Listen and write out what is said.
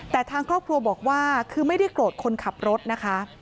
แต่ทางครอบครัวบอกว่าคือไม่ได้โกรธคนขับรถนะคะ